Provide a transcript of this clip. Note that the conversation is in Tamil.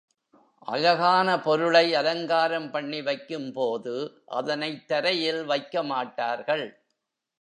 அழகான பொருளை அலங்காரம் பண்ணி வைக்கும்போது அதனைத் தரையில் வைக்க மாட்டார்கள்.